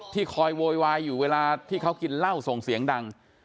คอยโวยวายอยู่เวลาที่เขากินเหล้าส่งเสียงดัง